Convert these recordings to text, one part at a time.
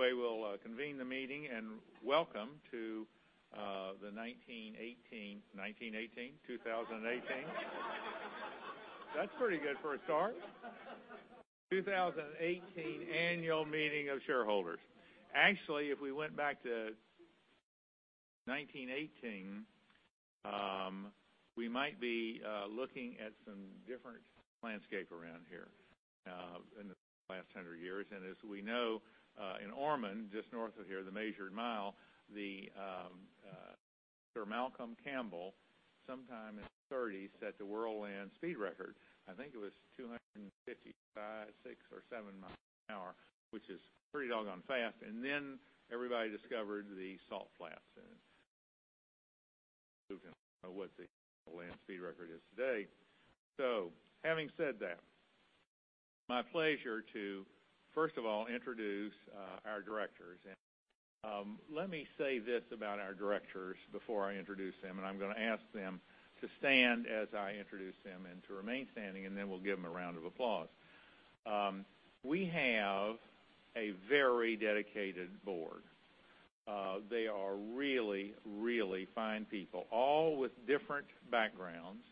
We'll convene the meeting and welcome to the 2018. That's pretty good for a start. 2018 Annual Meeting of Shareholders. Actually, if we went back to 1918, we might be looking at some different landscape around here in the last 100 years. As we know, in Ormond, just north of here, the measured mile, Sir Malcolm Campbell, sometime in the '30s, set the world land speed record. I think it was 255, 6 or 7 miles an hour, which is pretty doggone fast. Everybody discovered the salt flats and what the land speed record is today. Having said that, my pleasure to, first of all, introduce our directors. Let me say this about our directors before I introduce them, I'm going to ask them to stand as I introduce them and to remain standing, we'll give them a round of applause. We have a very dedicated board. They are really, really fine people, all with different backgrounds,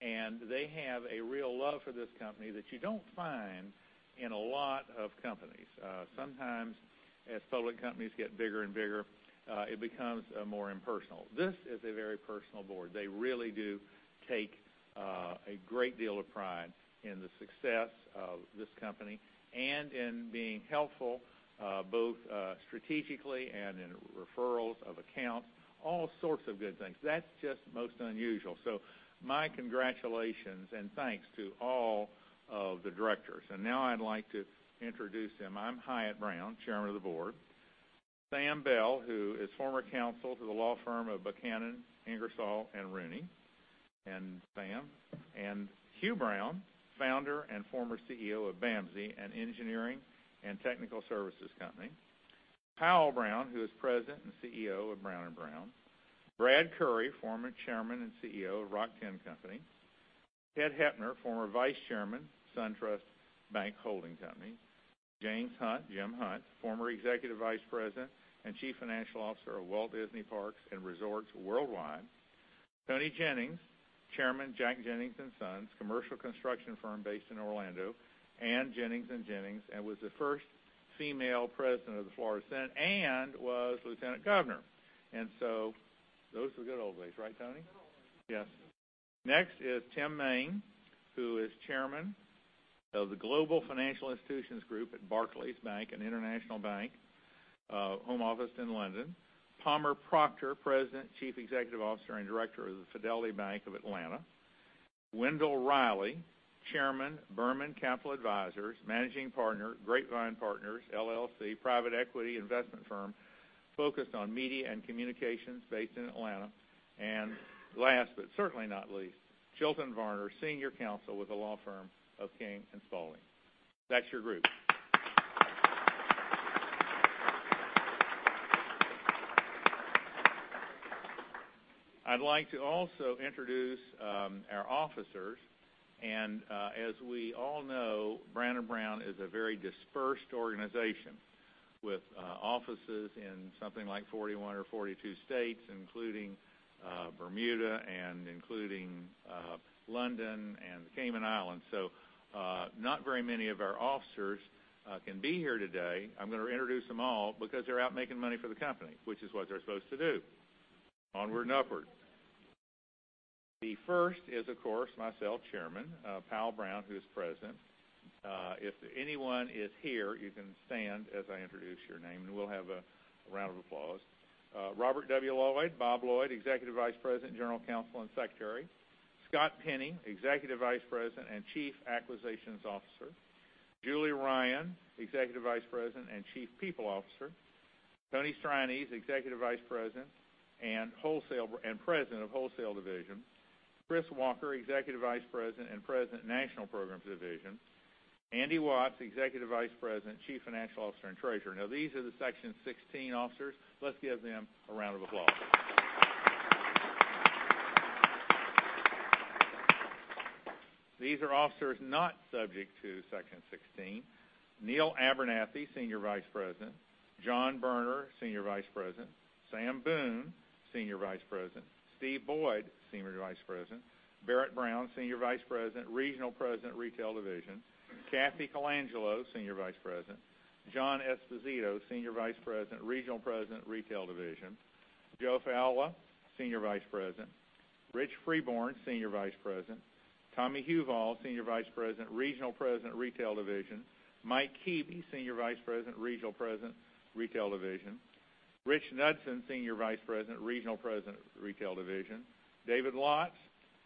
they have a real love for this company that you don't find in a lot of companies. Sometimes as public companies get bigger and bigger, it becomes more impersonal. This is a very personal board. They really do take a great deal of pride in the success of this company and in being helpful, both strategically and in referrals of accounts, all sorts of good things. That's just most unusual. My congratulations and thanks to all of the directors. Now I'd like to introduce them. I'm Hyatt Brown, Chairman of the Board. Sam Bell, who is former counsel to the law firm of Buchanan Ingersoll & Rooney. Hugh Brown, founder and former CEO of BAMSI, an engineering and technical services company. Powell Brown, who is President and CEO of Brown & Brown. Brad Currey, former Chairman and CEO of Rock-Tenn Company. Ted Hoepner, former Vice Chairman, SunTrust Bank Holding Company. James Hunt, former Executive Vice President and Chief Financial Officer of Walt Disney Parks and Resorts Worldwide. Toni Jennings, Chairman, Jack Jennings & Sons, commercial construction firm based in Orlando, Jennings & Jennings, was the first female President of the Florida Senate, was Lieutenant Governor. Those were the good old days, right, Toni? Good old days. Yes. Next is Tim Main, who is Chairman of the Global Financial Institutions Group at Barclays Bank, an international bank, home officed in London. Palmer Proctor, President, Chief Executive Officer, and Director of the Fidelity Bank of Atlanta. Wendell Reilly, Chairman, Berman Capital Advisors, Managing Partner, Grapevine Partners, LLC, private equity investment firm focused on media and communications based in Atlanta. Last but certainly not least, Chilton Varner, Senior Counsel with the law firm of King & Spalding. That's your group. I'd like to also introduce our officers. As we all know, Brown & Brown is a very dispersed organization with offices in something like 41 or 42 states, including Bermuda and including London and the Cayman Islands. So not very many of our officers can be here today. I'm going to introduce them all because they're out making money for the company, which is what they're supposed to do. Onward and upward. The first is, of course, myself, Chairman. Powell Brown, who is President. If anyone is here, you can stand as I introduce your name, and we'll have a round of applause. Robert W. Lloyd, Bob Lloyd, Executive Vice President, General Counsel, and Secretary. Scott Penny, Executive Vice President and Chief Acquisitions Officer. Julie Ryan, Executive Vice President and Chief People Officer. Tony Strianese, Executive Vice President and President of Wholesale Division. Chris Walker, Executive Vice President and President, National Programs Division. Andy Watts, Executive Vice President, Chief Financial Officer, and Treasurer. Now, these are the Section 16 officers. Let's give them a round of applause. These are officers not subject to Section 16. Neil Abernathy, Senior Vice President. John Berner, Senior Vice President. Sam Boone, Senior Vice President. Steve Boyd, Senior Vice President. Barrett Brown, Senior Vice President, Regional President, Retail Division. Kathy Colangelo, Senior Vice President. John Esposito, Senior Vice President, Regional President, Retail Division. Joe Failla, Senior Vice President. Rich Freeborn, Senior Vice President. Tommy Huval, Senior Vice President, Regional President, Retail Division. Mike Keeby, Senior Vice President, Regional President, Retail Division. Rich Knudson, Senior Vice President, Regional President, Retail Division. David Lotz,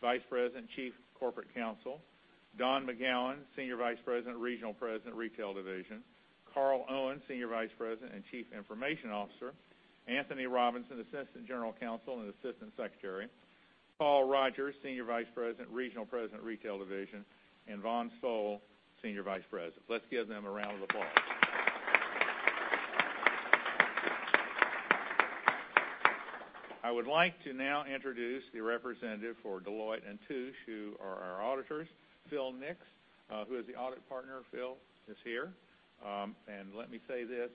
Vice President and Chief Corporate Counsel. Don McGowan, Senior Vice President, Regional President, Retail Division. Carl Owen, Senior Vice President and Chief Information Officer. Anthony Robinson, Assistant General Counsel and Assistant Secretary. Paul Rogers, Senior Vice President, Regional President, Retail Division, Vaughn Stoll, Senior Vice President. Let's give them a round of applause. I would like to now introduce the representative for Deloitte & Touche, who are our auditors, Phil Nix, who is the Audit Partner. Phil is here. Let me say this,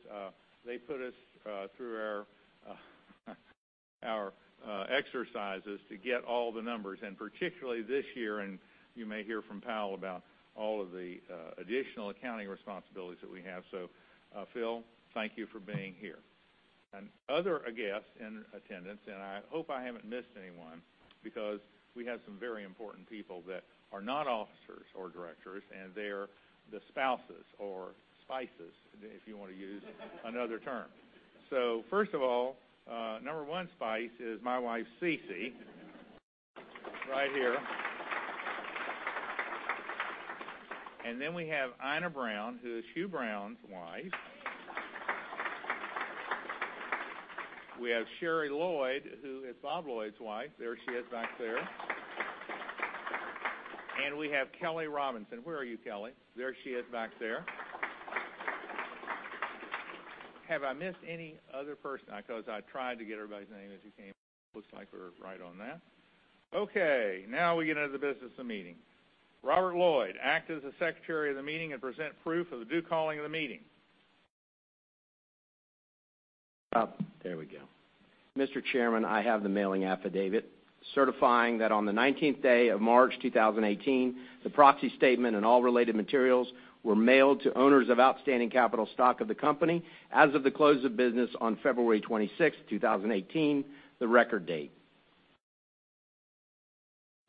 they put us through our exercises to get all the numbers, and particularly this year, you may hear from Powell about all of the additional accounting responsibilities that we have. Phil, thank you for being here. Other guests in attendance, I hope I haven't missed anyone, because we have some very important people that are not officers or directors, and they're the spouses or spouses, if you want to use another term. First of all, number one spouse is my wife, Cece, right here. Then we have Ina Brown, who is Hugh Brown's wife. We have Sherri Lloyd, who is Bob Lloyd's wife. There she is back there. We have Kelly Robinson. Where are you, Kelly? There she is back there. Have I missed any other person? I tried to get everybody's name as you came in. Looks like we're right on that. Now we get down to the business of the meeting. Robert Lloyd, act as the secretary of the meeting and present proof of the due calling of the meeting. There we go. Mr. Chairman, I have the mailing affidavit certifying that on the 19th day of March 2018, the proxy statement and all related materials were mailed to owners of outstanding capital stock of the company as of the close of business on February 26, 2018, the record date.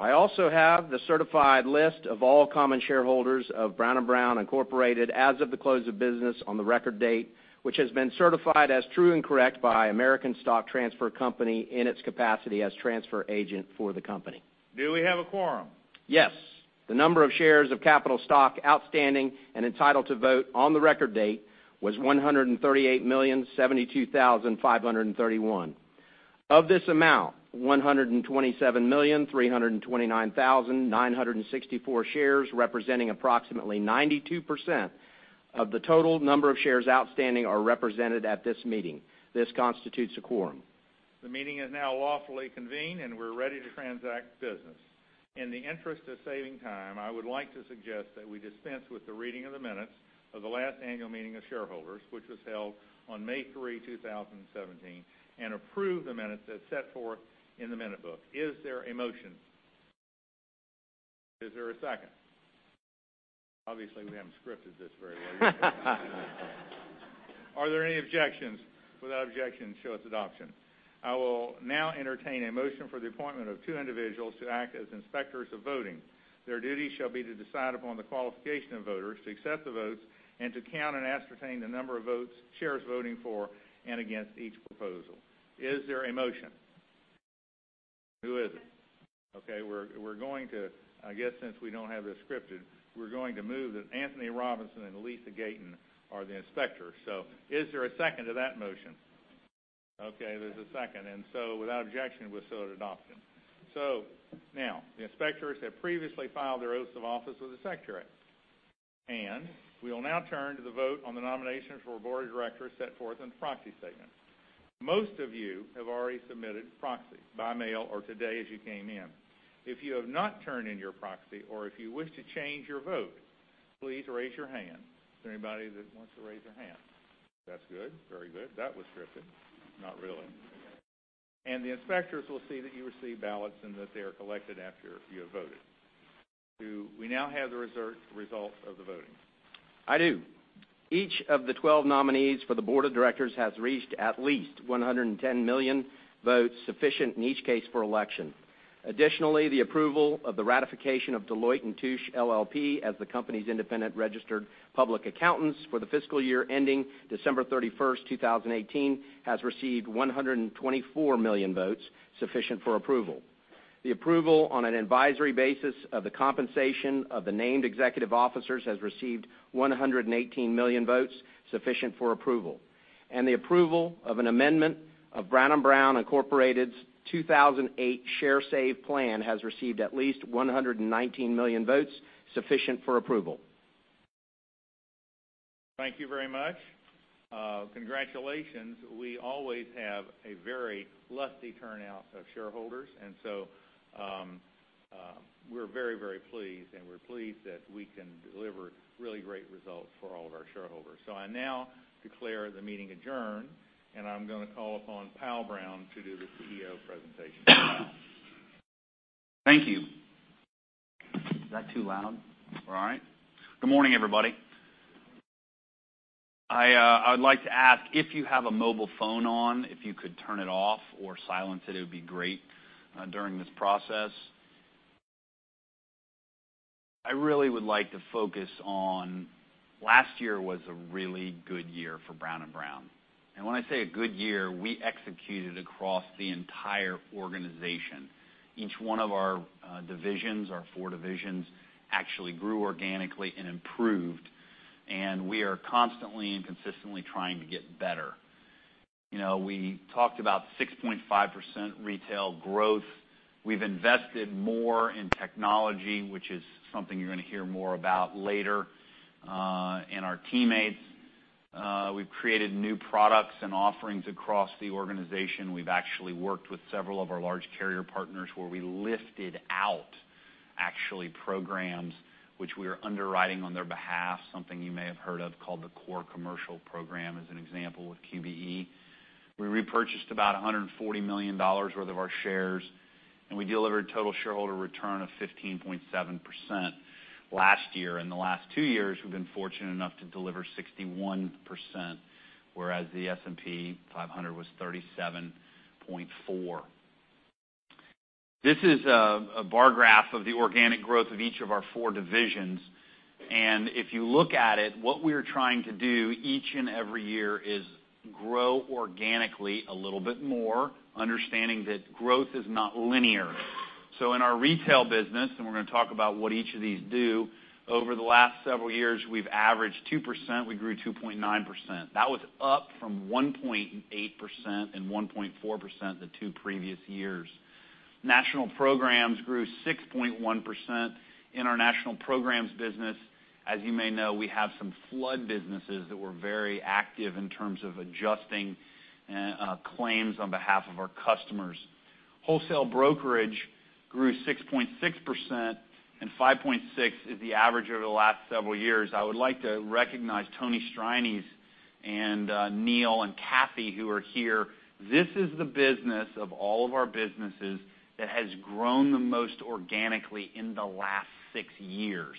I also have the certified list of all common shareholders of Brown & Brown, Inc. as of the close of business on the record date, which has been certified as true and correct by American Stock Transfer Company in its capacity as transfer agent for the company. Do we have a quorum? Yes. The number of shares of capital stock outstanding and entitled to vote on the record date was 138,072,531. Of this amount, 127,329,964 shares, representing approximately 92% of the total number of shares outstanding, are represented at this meeting. This constitutes a quorum. The meeting is now lawfully convened and we're ready to transact business. In the interest of saving time, I would like to suggest that we dispense with the reading of the minutes of the last annual meeting of shareholders, which was held on May 3, 2017, and approve the minutes as set forth in the minute book. Is there a motion? Is there a second? Obviously, we haven't scripted this very well. Are there any objections? Without objection, so it's adoption. I will now entertain a motion for the appointment of two individuals to act as inspectors of voting. Their duty shall be to decide upon the qualification of voters, to accept the votes, and to count and ascertain the number of votes, shares voting for and against each proposal. Is there a motion? Who is it? Okay, we're going to, I guess since we don't have this scripted, we're going to move that Anthony Robinson and Lisa Gayton are the inspectors. Is there a second to that motion? Okay, there's a second. Without objection, we'll so it adopted. Now, the inspectors have previously filed their oaths of office with the Secretariat. We will now turn to the vote on the nominations for board of directors set forth in the proxy statement. Most of you have already submitted proxy by mail or today as you came in. If you have not turned in your proxy or if you wish to change your vote, please raise your hand. Is there anybody that wants to raise their hand? That's good. Very good. That was scripted. Not really. The inspectors will see that you receive ballots and that they are collected after you have voted. Do we now have the results of the voting? I do. Each of the 12 nominees for the board of directors has reached at least 110 million votes, sufficient in each case for election. Additionally, the approval of the ratification of Deloitte & Touche LLP as the company's independent registered public accountants for the fiscal year ending December 31st, 2018, has received 124 million votes, sufficient for approval. The approval on an advisory basis of the compensation of the named executive officers has received 118 million votes, sufficient for approval. The approval of an amendment of Brown & Brown Incorporated's 2008 Stock Incentive Plan has received at least 119 million votes, sufficient for approval. Thank you very much. Congratulations. We always have a very lusty turnout of shareholders, and we're very pleased, and we're pleased that we can deliver really great results for all of our shareholders. I now declare the meeting adjourned, and I'm going to call upon Powell Brown to do the CEO presentation now. Thank you. Is that too loud? All right. Good morning, everybody. I would like to ask, if you have a mobile phone on, if you could turn it off or silence it would be great during this process. I really would like to focus on last year was a really good year for Brown & Brown. When I say a good year, we executed across the entire organization. Each one of our divisions, our four divisions, actually grew organically and improved, and we are constantly and consistently trying to get better. We talked about 6.5% retail growth. We've invested more in technology, which is something you're going to hear more about later, and our teammates We've created new products and offerings across the organization. We've actually worked with several of our large carrier partners where we lifted out actually programs which we are underwriting on their behalf. Something you may have heard of called the Core Commercial Program as an example with QBE. We repurchased about $140 million worth of our shares, and we delivered total shareholder return of 15.7% last year. In the last two years, we've been fortunate enough to deliver 61%, whereas the S&P 500 was 37.4%. This is a bar graph of the organic growth of each of our four divisions. If you look at it, what we are trying to do each and every year is grow organically a little bit more, understanding that growth is not linear. In our retail business, and we're going to talk about what each of these do, over the last several years, we've averaged 2%. We grew 2.9%. That was up from 1.8% and 1.4% the two previous years. National Programs grew 6.1%. In our National Programs business, as you may know, we have some flood businesses that were very active in terms of adjusting claims on behalf of our customers. Wholesale Brokerage grew 6.6%, 5.6% is the average over the last several years. I would like to recognize Tony Strianese and Neil and Kathy, who are here. This is the business of all of our businesses that has grown the most organically in the last six years.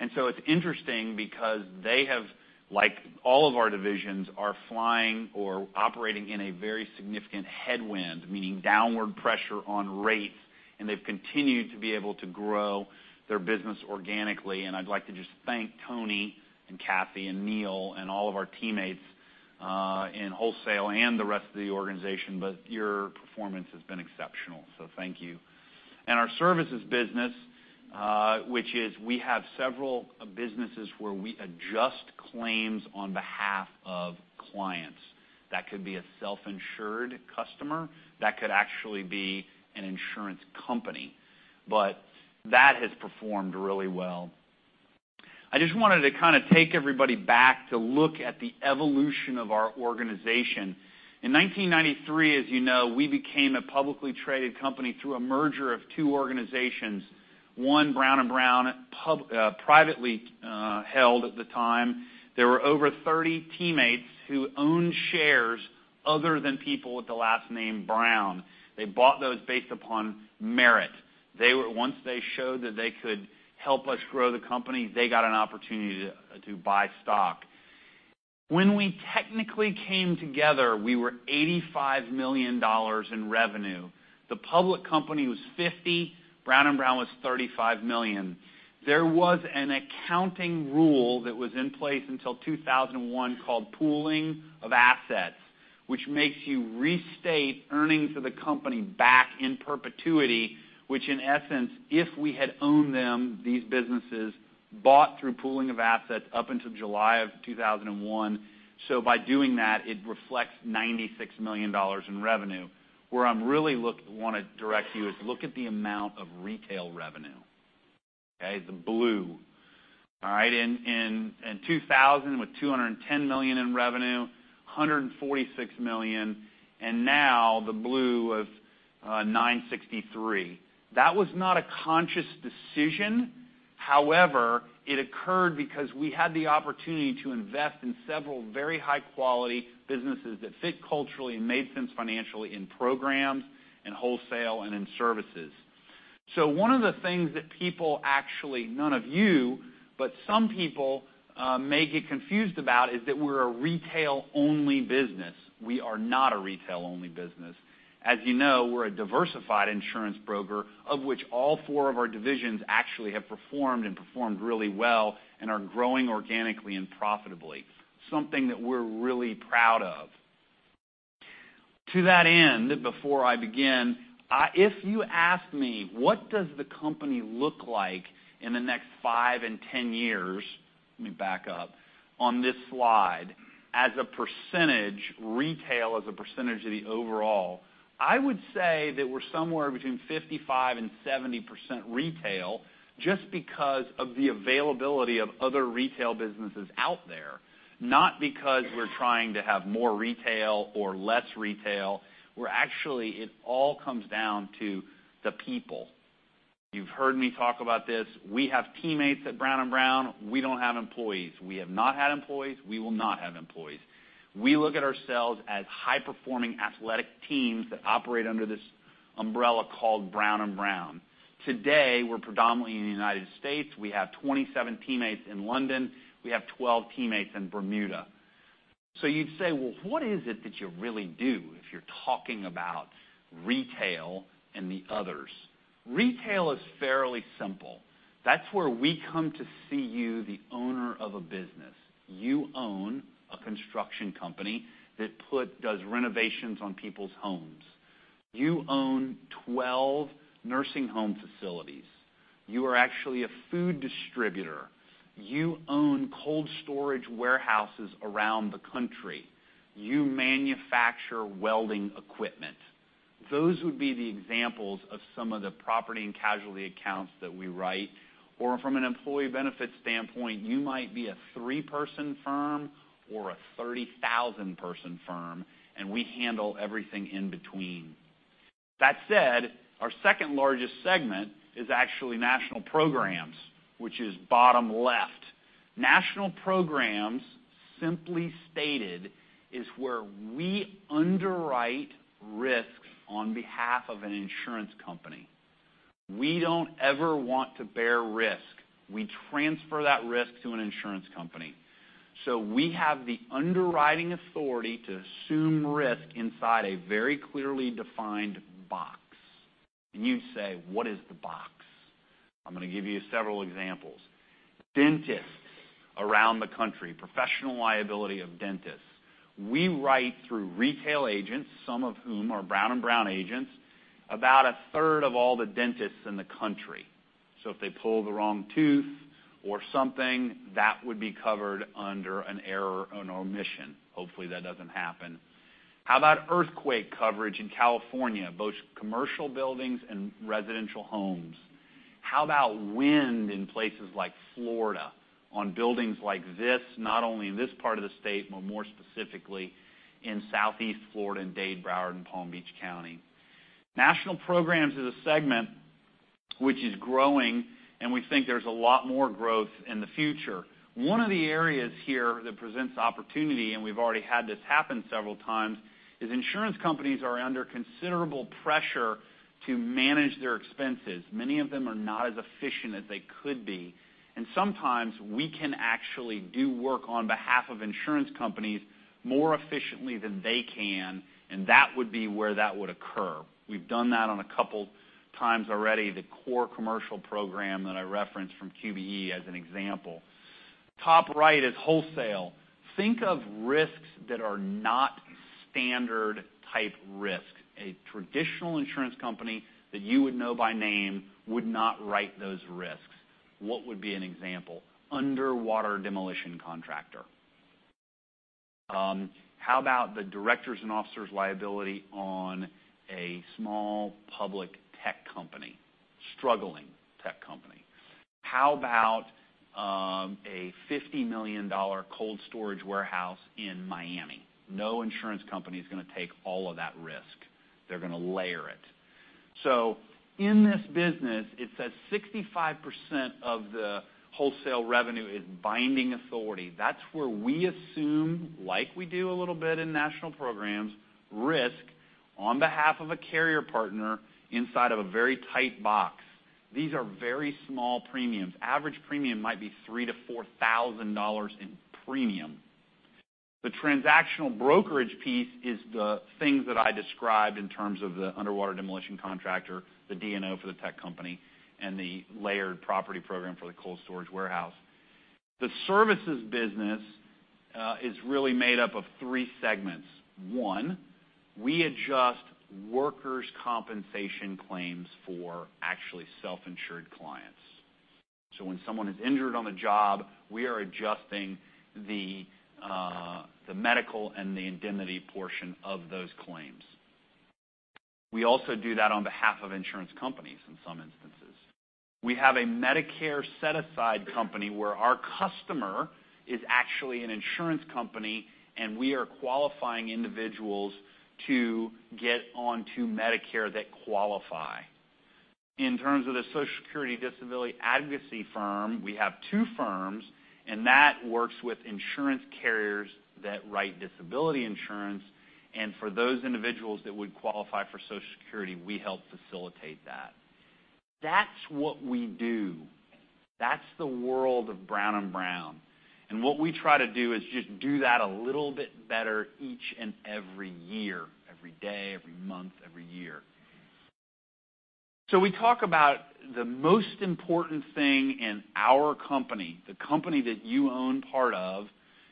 It's interesting because they have, like all of our divisions, are flying or operating in a very significant headwind, meaning downward pressure on rates, they've continued to be able to grow their business organically. I'd like to just thank Tony and Kathy and Neil and all of our teammates in Wholesale and the rest of the organization, your performance has been exceptional, thank you. Our services business, which is we have several businesses where we adjust claims on behalf of clients. That could be a self-insured customer. That could actually be an insurance company. That has performed really well. I just wanted to kind of take everybody back to look at the evolution of our organization. In 1993, as you know, we became a publicly traded company through a merger of two organizations. One, Brown & Brown, privately held at the time. There were over 30 teammates who owned shares other than people with the last name Brown. They bought those based upon merit. Once they showed that they could help us grow the company, they got an opportunity to buy stock. When we technically came together, we were $85 million in revenue. The public company was $50 million, Brown & Brown was $35 million. There was an accounting rule that was in place until 2001 called pooling of interests, which makes you restate earnings of the company back in perpetuity, which in essence, if we had owned them, these businesses bought through pooling of interests up until July of 2001. By doing that, it reflects $96 million in revenue. Where I really want to direct you is look at the amount of Retail revenue. Okay? The blue. All right? In 2000, with $210 million in revenue, $146 million, and now the blue of $963 million. That was not a conscious decision. It occurred because we had the opportunity to invest in several very high-quality businesses that fit culturally and made sense financially in Programs, in Wholesale, and in Services. One of the things that people actually, none of you, but some people may get confused about is that we're a Retail-only business. We are not a Retail-only business. As you know, we're a diversified insurance broker, of which all four of our divisions actually have performed and performed really well and are growing organically and profitably. Something that we're really proud of. To that end, before I begin, if you ask me, what does the company look like in the next 5 and 10 years? Let me back up. On this slide, as a percentage, Retail as a percentage of the overall, I would say that we're somewhere between 55%-70% Retail just because of the availability of other Retail businesses out there, not because we're trying to have more Retail or less Retail. We're actually, it all comes down to the people. You've heard me talk about this. We have teammates at Brown & Brown. We don't have employees. We have not had employees, we will not have employees. We look at ourselves as high-performing athletic teams that operate under this umbrella called Brown & Brown. Today, we're predominantly in the U.S. We have 27 teammates in London. We have 12 teammates in Bermuda. You'd say, "Well, what is it that you really do if you're talking about Retail and the others?" Retail is fairly simple. That's where we come to see you, the owner of a business. You own a construction company that does renovations on people's homes. You own 12 nursing home facilities. You are actually a food distributor. You own cold storage warehouses around the country. You manufacture welding equipment. Those would be the examples of some of the property and casualty accounts that we write. From an employee benefit standpoint, you might be a three-person firm or a 30,000-person firm, and we handle everything in between. That said, our second largest segment is actually National Programs, which is bottom left. National Programs, simply stated, is where we underwrite risks on behalf of an insurance company. We don't ever want to bear risk. We transfer that risk to an insurance company. We have the underwriting authority to assume risk inside a very clearly defined box. You say, "What is the box?" I'm going to give you several examples. Dentists around the country, professional liability of dentists. We write through retail agents, some of whom are Brown & Brown agents, about a third of all the dentists in the country. If they pull the wrong tooth or something, that would be covered under an error or an omission. Hopefully, that doesn't happen. How about earthquake coverage in California, both commercial buildings and residential homes? How about wind in places like Florida on buildings like this, not only in this part of the state, but more specifically in Southeast Florida, in Dade, Broward, and Palm Beach County? National Programs is a segment which is growing, and we think there's a lot more growth in the future. One of the areas here that presents opportunity, we've already had this happen several times, is insurance companies are under considerable pressure to manage their expenses. Many of them are not as efficient as they could be, sometimes we can actually do work on behalf of insurance companies more efficiently than they can, that would be where that would occur. We've done that on a couple times already. The Core Commercial Program that I referenced from QBE as an example. Top right is Wholesale. Think of risks that are not standard type risks. A traditional insurance company that you would know by name would not write those risks. What would be an example? Underwater demolition contractor. How about the directors' and officers' liability on a small public tech company, struggling tech company? How about a $50 million cold storage warehouse in Miami? No insurance company is going to take all of that risk. They're going to layer it. In this business, it says 65% of the Wholesale revenue is binding authority. That's where we assume, like we do a little bit in National Programs, risk on behalf of a carrier partner inside of a very tight box. These are very small premiums. Average premium might be $3,000 to $4,000 in premium. The transactional brokerage piece is the things that I described in terms of the underwater demolition contractor, the D&O for the tech company, and the layered property program for the cold storage warehouse. The services business is really made up of three segments. One, we adjust workers' compensation claims for actually self-insured clients. When someone is injured on the job, we are adjusting the medical and the indemnity portion of those claims. We also do that on behalf of insurance companies in some instances. We have a Medicare set aside company where our customer is actually an insurance company, and we are qualifying individuals to get onto Medicare that qualify. In terms of the Social Security disability advocacy firm, we have two firms, that works with insurance carriers that write disability insurance. For those individuals that would qualify for Social Security, we help facilitate that. That's what we do. That's the world of Brown & Brown. What we try to do is just do that a little bit better each and every year, every day, every month, every year. We talk about the most important thing in our company, the company that you own part of,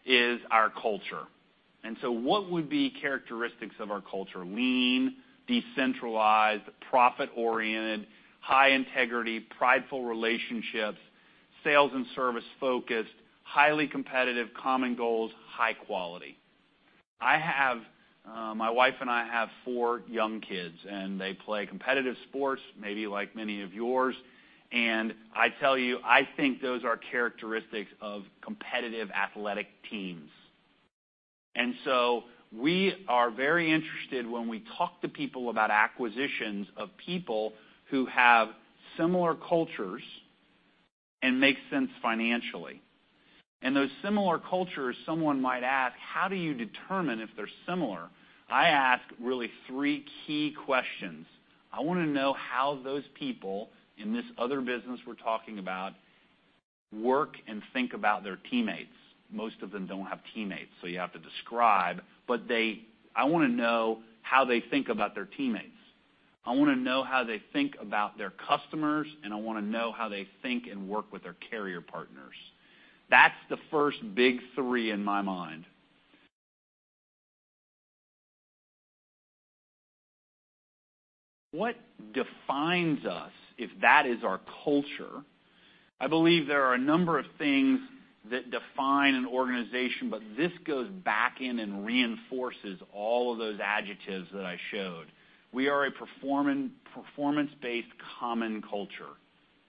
is our culture. What would be characteristics of our culture? Lean, decentralized, profit-oriented, high integrity, prideful relationships, sales and service-focused, highly competitive, common goals, high quality. My wife and I have four young kids, and they play competitive sports, maybe like many of yours. I tell you, I think those are characteristics of competitive athletic teams. We are very interested when we talk to people about acquisitions of people who have similar cultures and make sense financially. Those similar cultures, someone might ask, how do you determine if they're similar? I ask really three key questions. I want to know how those people in this other business we're talking about work and think about their teammates. Most of them don't have teammates, so you have to describe, but I want to know how they think about their teammates. I want to know how they think about their customers, and I want to know how they think and work with their carrier partners. That's the first big three in my mind. What defines us if that is our culture? I believe there are a number of things that define an organization, but this goes back in and reinforces all of those adjectives that I showed. We are a performance-based common culture.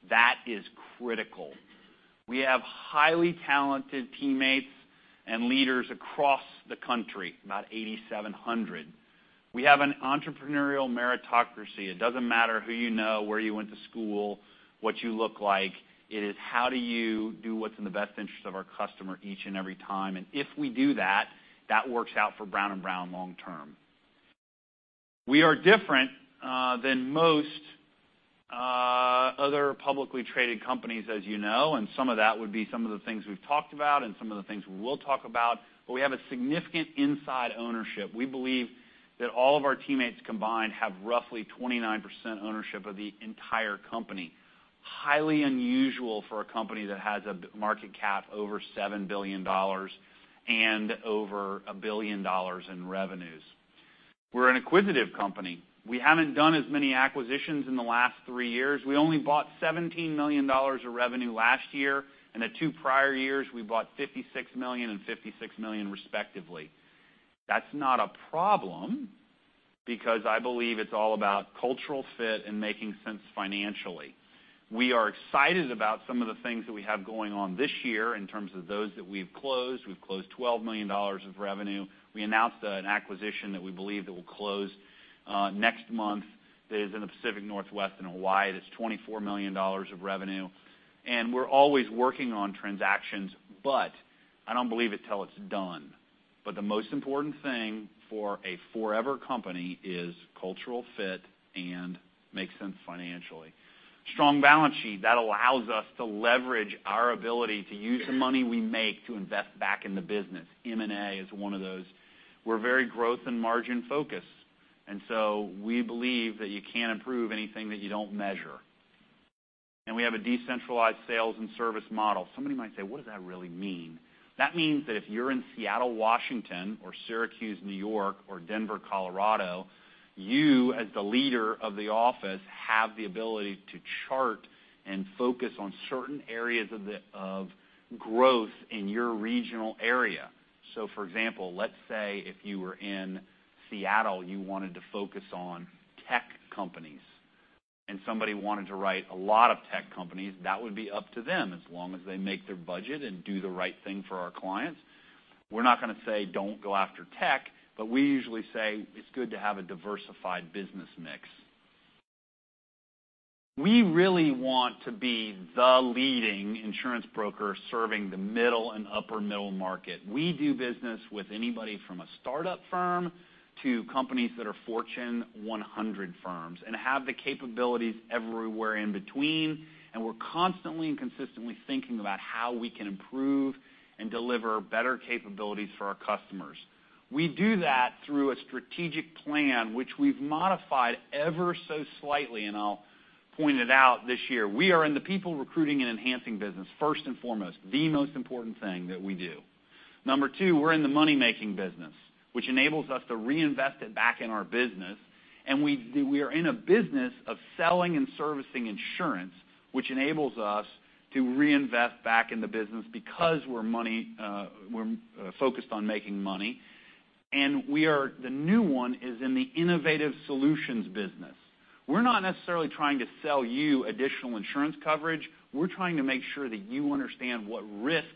That is critical. We have highly talented teammates and leaders across the country, about 8,700. We have an entrepreneurial meritocracy. It doesn't matter who you know, where you went to school, what you look like. It is how do you do what's in the best interest of our customer each and every time. If we do that works out for Brown & Brown long term. We are different than most other publicly traded companies, as you know, and some of that would be some of the things we've talked about and some of the things we will talk about, but we have a significant inside ownership. We believe that all of our teammates combined have roughly 29% ownership of the entire company. Highly unusual for a company that has a market cap over $7 billion and over $1 billion in revenues. We're an acquisitive company. We haven't done as many acquisitions in the last three years. We only bought $17 million of revenue last year. In the two prior years, we bought $56 million and $56 million respectively. That's not a problem, because I believe it's all about cultural fit and making sense financially. We are excited about some of the things that we have going on this year in terms of those that we've closed. We've closed $12 million of revenue. We announced an acquisition that we believe that will close next month, that is in the Pacific Northwest and Hawaii, that's $24 million of revenue. The most important thing for a forever company is cultural fit and makes sense financially. Strong balance sheet, that allows us to leverage our ability to use the money we make to invest back in the business. M&A is one of those. We're very growth and margin focused, we believe that you can't improve anything that you don't measure. We have a decentralized sales and service model. Somebody might say, "What does that really mean?" That means that if you're in Seattle, Washington, or Syracuse, New York, or Denver, Colorado, you, as the leader of the office, have the ability to chart and focus on certain areas of growth in your regional area. For example, let's say if you were in Seattle, you wanted to focus on tech companies, and somebody wanted to write a lot of tech companies, that would be up to them as long as they make their budget and do the right thing for our clients. We're not going to say, "Don't go after tech," we usually say it's good to have a diversified business mix. We really want to be the leading insurance broker serving the middle and upper middle market. We do business with anybody from a startup firm to companies that are Fortune 100 firms and have the capabilities everywhere in between, we're constantly and consistently thinking about how we can improve and deliver better capabilities for our customers. We do that through a strategic plan, which we've modified ever so slightly, and I'll point it out this year. We are in the people recruiting and enhancing business, first and foremost, the most important thing that we do. Number two, we're in the money-making business, which enables us to reinvest it back in our business. We are in a business of selling and servicing insurance, which enables us to reinvest back in the business because we're focused on making money. The new one is in the innovative solutions business. We're not necessarily trying to sell you additional insurance coverage. We're trying to make sure that you understand what risks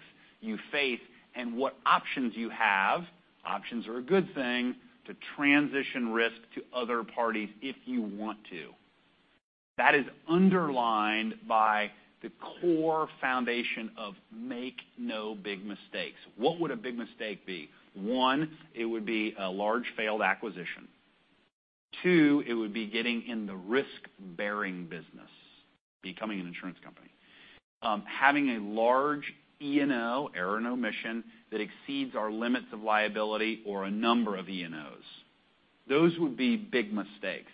you face and what options you have, options are a good thing, to transition risk to other parties if you want to. That is underlined by the core foundation of make no big mistakes. What would a big mistake be? One, it would be a large failed acquisition. Two, it would be getting in the risk-bearing business, becoming an insurance company. Having a large E&O, error and omission, that exceeds our limits of liability or a number of E&Os. Those would be big mistakes.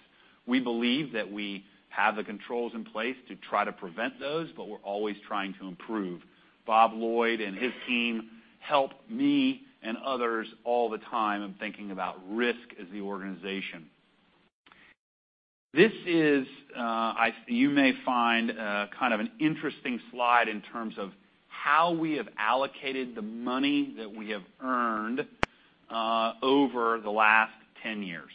We believe that we have the controls in place to try to prevent those, we're always trying to improve. Bob Lloyd and his team help me and others all the time in thinking about risk as the organization. This is, you may find, kind of an interesting slide in terms of how we have allocated the money that we have earned over the last 10 years.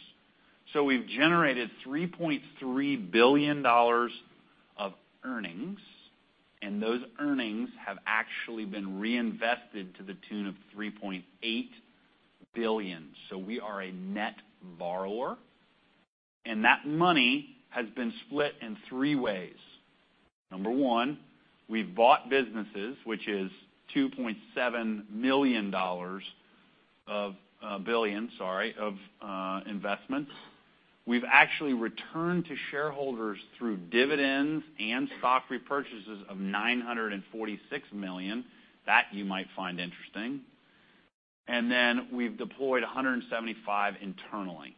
We've generated $3.3 billion of earnings, and those earnings have actually been reinvested to the tune of $3.8 billion. We are a net borrower, and that money has been split in three ways. Number one, we've bought businesses, which is $2.7 billion of investments. We've actually returned to shareholders through dividends and stock repurchases of $946 million. That you might find interesting. We've deployed $175 million internally.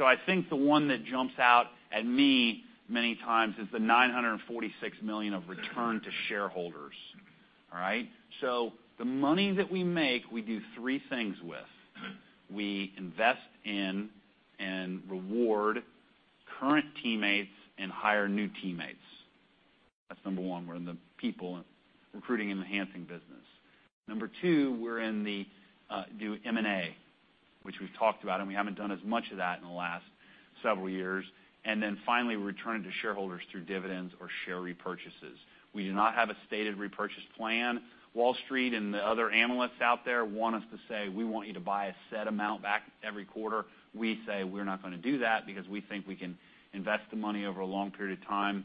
I think the one that jumps out at me many times is the $946 million of return to shareholders. All right? The money that we make, we do three things with. We invest in and reward current teammates and hire new teammates. That's number one. We're in the people recruiting and enhancing business. Number two, we're in the do M&A, which we've talked about, and we haven't done as much of that in the last several years. Finally, return it to shareholders through dividends or share repurchases. We do not have a stated repurchase plan. Wall Street and the other analysts out there want us to say, "We want you to buy a set amount back every quarter." We say, "We're not going to do that because we think we can invest the money over a long period of time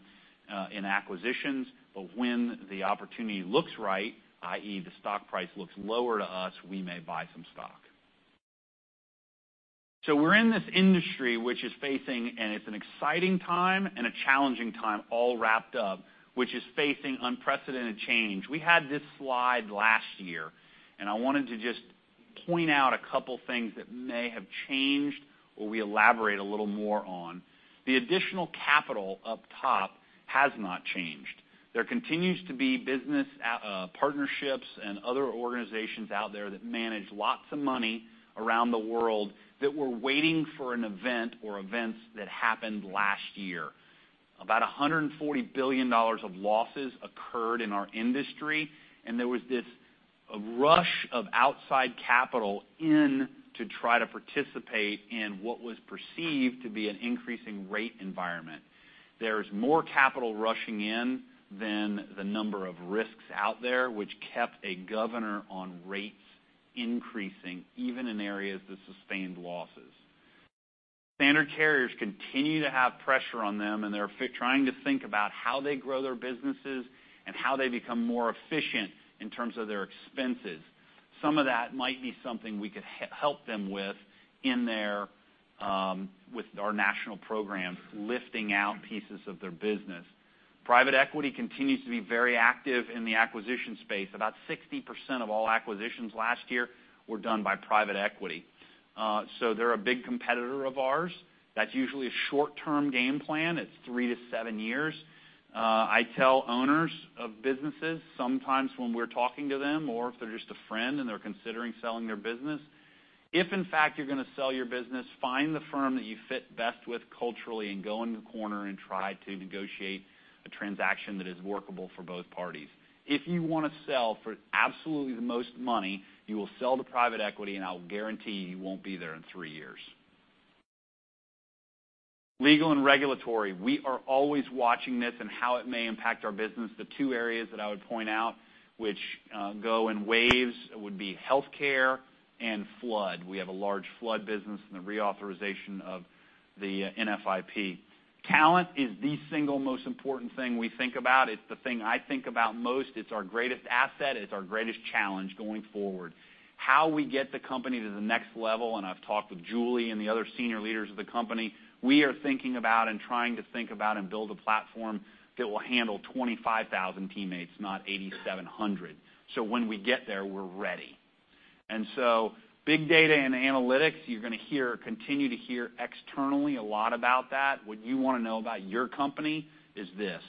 in acquisitions. When the opportunity looks right, i.e., the stock price looks lower to us, we may buy some stock." We're in this industry, which is facing, and it's an exciting time and a challenging time all wrapped up, which is facing unprecedented change. We had this slide last year, and I wanted to just point out a couple things that may have changed, or we elaborate a little more on. The additional capital up top has not changed. There continues to be business partnerships and other organizations out there that manage lots of money around the world that were waiting for an event or events that happened last year. About $140 billion of losses occurred in our industry, and there was this rush of outside capital in to try to participate in what was perceived to be an increasing rate environment. There's more capital rushing in than the number of risks out there, which kept a governor on rates increasing even in areas that sustained losses. Standard carriers continue to have pressure on them, and they're trying to think about how they grow their businesses and how they become more efficient in terms of their expenses. Some of that might be something we could help them with our National Programs, lifting out pieces of their business. Private equity continues to be very active in the acquisition space. About 60% of all acquisitions last year were done by private equity. They're a big competitor of ours. That's usually a short-term game plan. It's 3 to 7 years. I tell owners of businesses sometimes when we're talking to them or if they're just a friend and they're considering selling their business, if in fact you're going to sell your business, find the firm that you fit best with culturally and go in the corner and try to negotiate a transaction that is workable for both parties. If you want to sell for absolutely the most money, you will sell to private equity, and I'll guarantee you won't be there in 3 years. Legal and regulatory. We are always watching this and how it may impact our business. The two areas that I would point out which go in waves would be healthcare and flood. We have a large flood business and the reauthorization of the NFIP. Talent is the single most important thing we think about. It's the thing I think about most. It's our greatest asset. It's our greatest challenge going forward. How we get the company to the next level, and I've talked with Julie and the other senior leaders of the company, we are thinking about and trying to think about and build a platform that will handle 25,000 teammates, not 8,700. When we get there, we're ready. Big data and analytics, you're going to continue to hear externally a lot about that. What you want to know about your company is this.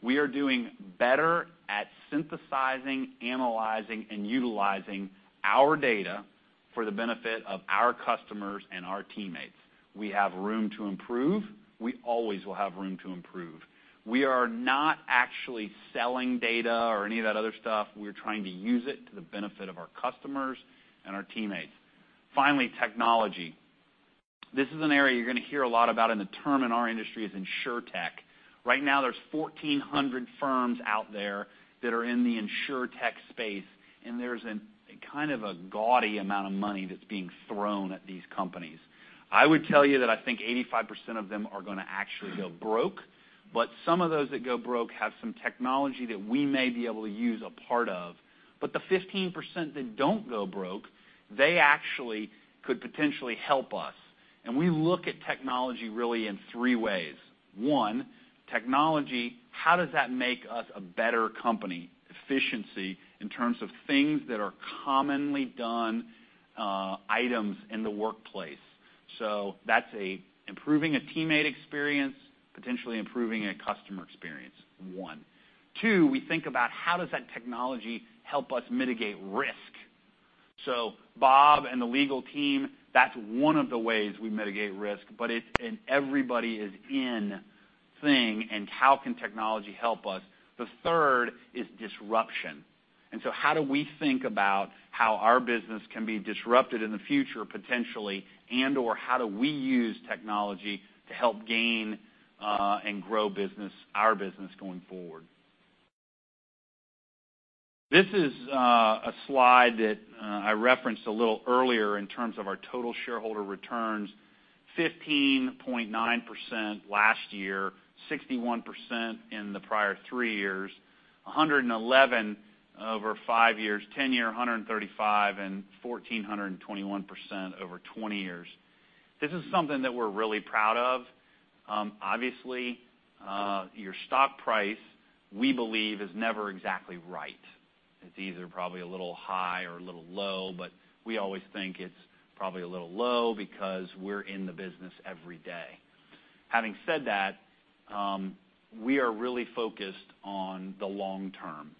We are doing better at synthesizing, analyzing, and utilizing our data for the benefit of our customers and our teammates. We have room to improve. We always will have room to improve. We are not actually selling data or any of that other stuff. We're trying to use it to the benefit of our customers and our teammates. Finally, technology. This is an area you're going to hear a lot about, and the term in our industry is Insurtech. Right now, there's 1,400 firms out there that are in the Insurtech space, and there's a gaudy amount of money that's being thrown at these companies. I would tell you that I think 85% of them are going to actually go broke, but some of those that go broke have some technology that we may be able to use a part of. The 15% that don't go broke, they actually could potentially help us. We look at technology really in 3 ways. One, technology, how does that make us a better company? Efficiency in terms of things that are commonly done items in the workplace. That's improving a teammate experience, potentially improving a customer experience, one. Two, we think about how does that technology help us mitigate risk. Bob and the legal team, that's one of the ways we mitigate risk, but it's an everybody is in thing and how can technology help us. The third is disruption. How do we think about how our business can be disrupted in the future potentially, and/or how do we use technology to help gain and grow our business going forward? This is a slide that I referenced a little earlier in terms of our total shareholder returns, 15.9% last year, 61% in the prior three years, 111 over five years, 10-year 135, and 1,421% over 20 years. This is something that we're really proud of. Obviously, your stock price, we believe, is never exactly right. It's either probably a little high or a little low, but we always think it's probably a little low because we're in the business every day. Having said that, we are really focused on the long term.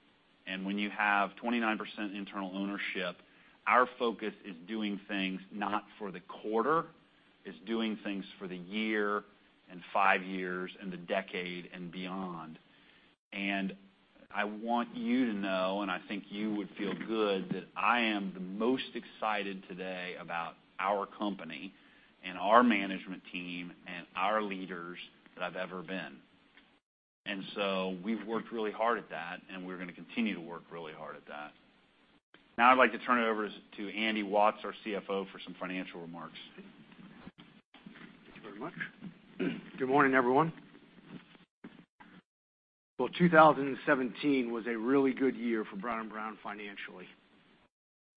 When you have 29% internal ownership, our focus is doing things not for the quarter, it's doing things for the year and five years and the decade and beyond. I want you to know, and I think you would feel good, that I am the most excited today about our company and our management team and our leaders than I've ever been. We've worked really hard at that, and we're going to continue to work really hard at that. Now I'd like to turn it over to Andy Watts, our CFO, for some financial remarks. Thank you very much. Good morning, everyone. 2017 was a really good year for Brown & Brown financially.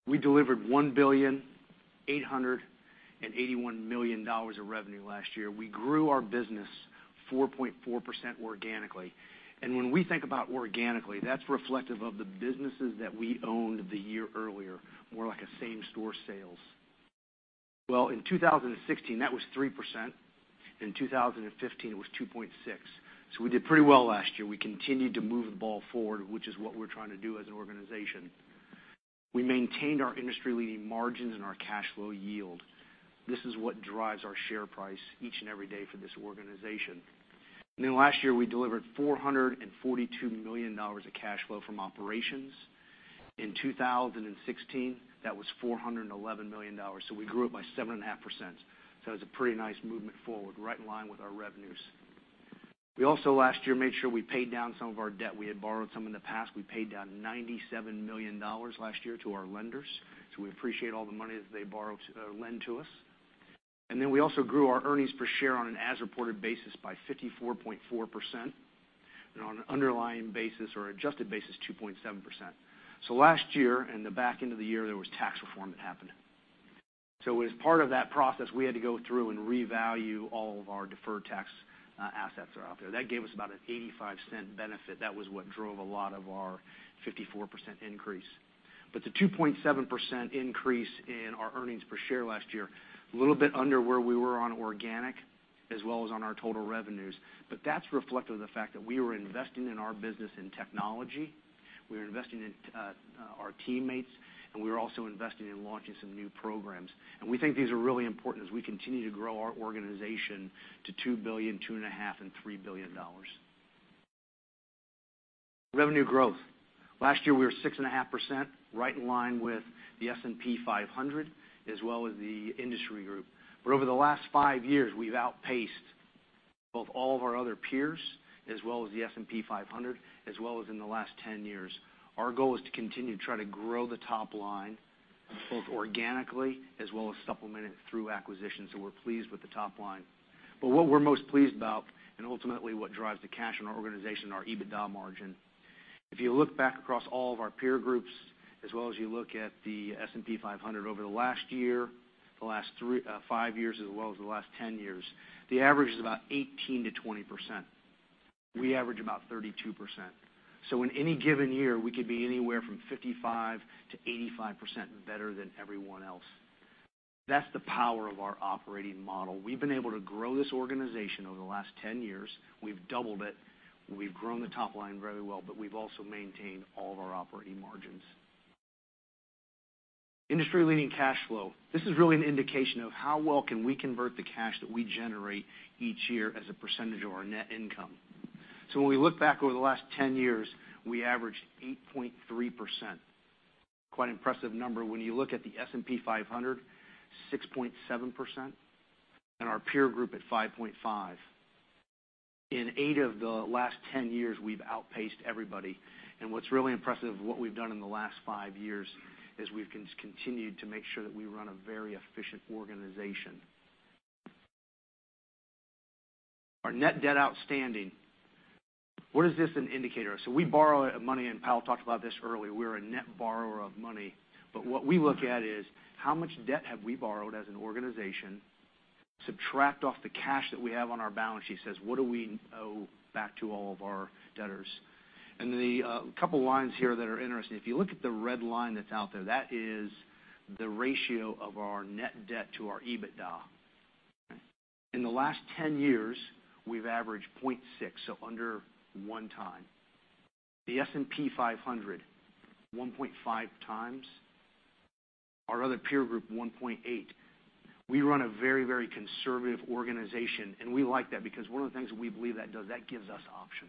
We delivered $1,881,000,000 of revenue last year. We grew our business 4.4% organically. When we think about organically, that's reflective of the businesses that we owned the year earlier, more like a same store sales. In 2016, that was 3%. In 2015, it was 2.6%. We did pretty well last year. We continued to move the ball forward, which is what we're trying to do as an organization. We maintained our industry-leading margins and our cash flow yield. This is what drives our share price each and every day for this organization. Last year, we delivered $442 million of cash flow from operations. In 2016, that was $411 million. We grew it by 7.5%. It was a pretty nice movement forward, right in line with our revenues. We also, last year, made sure we paid down some of our debt. We had borrowed some in the past. We paid down $97 million last year to our lenders. We appreciate all the money that they lend to us. We also grew our earnings per share on an as-reported basis by 54.4%, and on an underlying basis or adjusted basis, 2.7%. Last year, in the back end of the year, there was tax reform that happened. As part of that process, we had to go through and revalue all of our deferred tax assets that are out there. That gave us about a $0.85 benefit. That was what drove a lot of our 54% increase. The 2.7% increase in our earnings per share last year, a little bit under where we were on organic as well as on our total revenues. That's reflective of the fact that we were investing in our business in technology, we were investing in our teammates, and we were also investing in launching some new programs. We think these are really important as we continue to grow our organization to $2 billion, $2.5 billion and $3 billion. Revenue growth. Last year, we were 6.5%, right in line with the S&P 500 as well as the industry group. Over the last five years, we've outpaced both all of our other peers as well as the S&P 500, as well as in the last 10 years. Our goal is to continue to try to grow the top line both organically as well as supplemented through acquisitions. We're pleased with the top line. What we're most pleased about and ultimately what drives the cash in our organization, our EBITDA margin. If you look back across all of our peer groups as well as you look at the S&P 500 over the last year, the last five years as well as the last 10 years, the average is about 18%-20%. We average about 32%. In any given year, we could be anywhere from 55%-85% better than everyone else. That's the power of our operating model. We've been able to grow this organization over the last 10 years. We've doubled it. We've grown the top line very well, but we've also maintained all of our operating margins. Industry-leading cash flow. This is really an indication of how well can we convert the cash that we generate each year as a percentage of our net income. When we look back over the last 10 years, we averaged 8.3%. Quite impressive number when you look at the S&P 500, 6.7%, and our peer group at 5.5%. In eight of the last 10 years, we've outpaced everybody. What's really impressive of what we've done in the last five years is we've continued to make sure that we run a very efficient organization. Our net debt outstanding. What is this an indicator of? We borrow money. Powell Brown talked about this earlier. We're a net borrower of money. What we look at is how much debt have we borrowed as an organization, subtract off the cash that we have on our balance sheet says, what do we owe back to all of our debtors? The couple lines here that are interesting, if you look at the red line that's out there, that is the ratio of our net debt to our EBITDA. In the last 10 years, we've averaged 0.6x, so under one time. The S&P 500, 1.5 times. Our other peer group, 1.8x. We run a very conservative organization, and we like that because one of the things that we believe that does, that gives us options.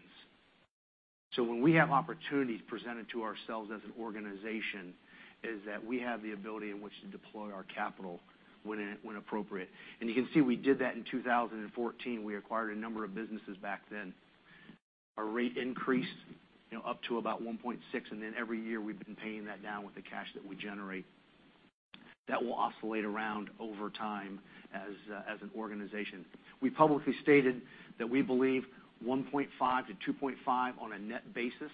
When we have opportunities presented to ourselves as an organization, is that we have the ability in which to deploy our capital when appropriate. You can see we did that in 2014. We acquired a number of businesses back then. Our rate increased up to about 1.6x. Every year we've been paying that down with the cash that we generate. That will oscillate around over time as an organization. We publicly stated that we believe 1.5x-2.5x on a net basis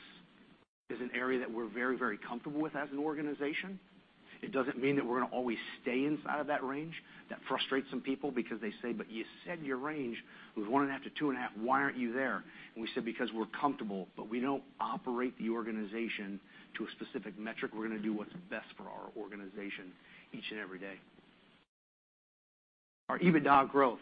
is an area that we're very comfortable with as an organization. It doesn't mean that we're going to always stay inside of that range. That frustrates some people because they say, "You said your range was one and a half to two and a half. Why aren't you there?" We said, "Because we're comfortable." We don't operate the organization to a specific metric. We're going to do what's best for our organization each and every day. Our EBITDA growth.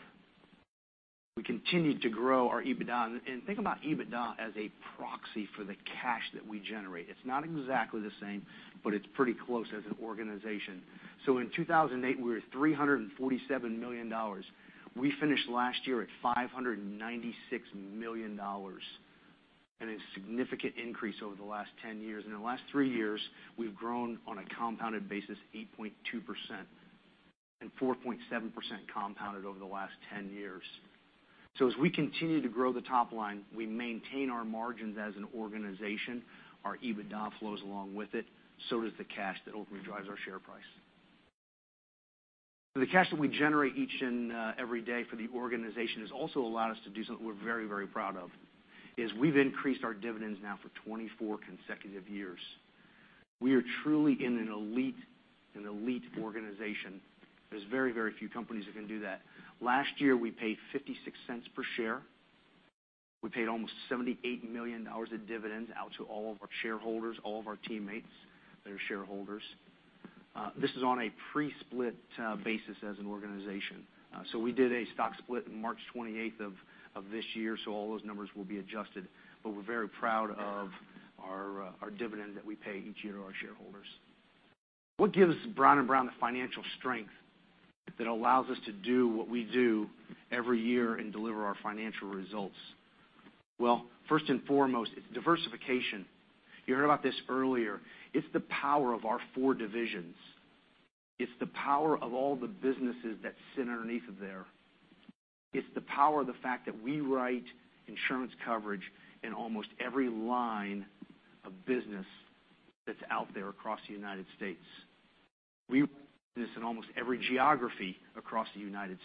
We continued to grow our EBITDA. Think about EBITDA as a proxy for the cash that we generate. It's not exactly the same, but it's pretty close as an organization. In 2008, we were at $347 million. We finished last year at $596 million. A significant increase over the last 10 years. In the last three years, we've grown on a compounded basis 8.2%, 4.7% compounded over the last 10 years. As we continue to grow the top line, we maintain our margins as an organization, our EBITDA flows along with it, so does the cash that ultimately drives our share price. The cash that we generate each and every day for the organization has also allowed us to do something we're very proud of, is we've increased our dividends now for 24 consecutive years. We are truly in an elite organization. There's very few companies that can do that. Last year, we paid $0.56 per share. We paid almost $78 million of dividends out to all of our shareholders, all of our teammates that are shareholders. This is on a pre-split basis as an organization. We did a stock split in March 28th of this year, so all those numbers will be adjusted. We're very proud of our dividend that we pay each year to our shareholders. What gives Brown & Brown the financial strength that allows us to do what we do every year and deliver our financial results? First and foremost, it's diversification. You heard about this earlier. It's the power of our four divisions. It's the power of all the businesses that sit underneath of there. It's the power of the fact that we write insurance coverage in almost every line of business that's out there across the U.S. We do this in almost every geography across the U.S.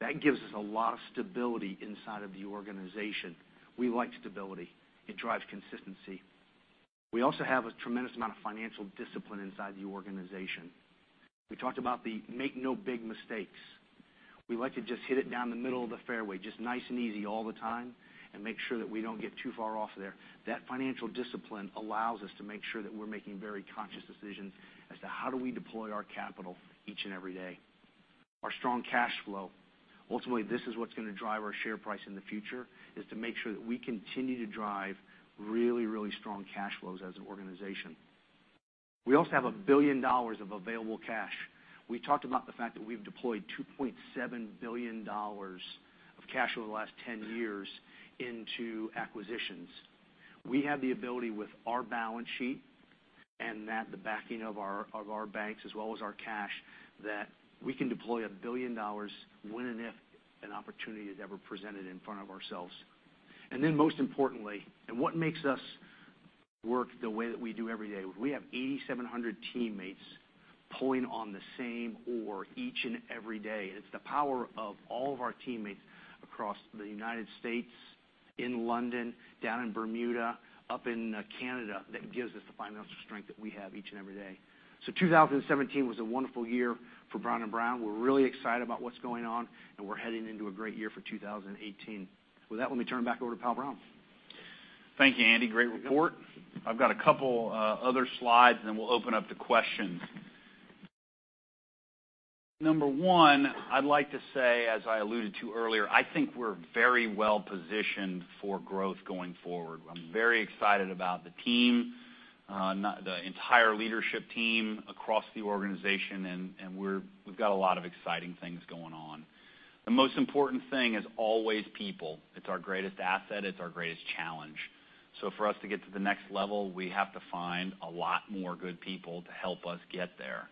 That gives us a lot of stability inside of the organization. We like stability. It drives consistency. We also have a tremendous amount of financial discipline inside the organization. We talked about the make no big mistakes. We like to just hit it down the middle of the fairway, just nice and easy all the time, and make sure that we don't get too far off of there. That financial discipline allows us to make sure that we're making very conscious decisions as to how do we deploy our capital each and every day. Our strong cash flow. Ultimately, this is what's going to drive our share price in the future, is to make sure that we continue to drive really strong cash flows as an organization. We also have $1 billion of available cash. We talked about the fact that we've deployed $2.7 billion of cash over the last 10 years into acquisitions. We have the ability with our balance sheet and the backing of our banks as well as our cash, that we can deploy $1 billion when and if an opportunity is ever presented in front of ourselves. Most importantly, what makes us work the way that we do every day, we have 8,700 teammates pulling on the same oar each and every day. It's the power of all of our teammates across the U.S., in London, down in Bermuda, up in Canada, that gives us the financial strength that we have each and every day. 2017 was a wonderful year for Brown & Brown. We're really excited about what's going on, we're heading into a great year for 2018. With that, let me turn it back over to Pal Brown. Thank you, Andy. Great report. I've got a couple other slides. Then we'll open up to questions. Number 1, I'd like to say, as I alluded to earlier, I think we're very well-positioned for growth going forward. I'm very excited about the team, the entire leadership team across the organization. We've got a lot of exciting things going on. The most important thing is always people. It's our greatest asset. It's our greatest challenge. For us to get to the next level, we have to find a lot more good people to help us get there.